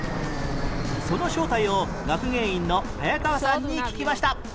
その正体を学芸員の早川さんに聞きました